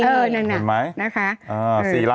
เห็นไหมนะคะ